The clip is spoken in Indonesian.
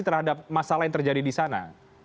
terhadap masalah yang terjadi di sana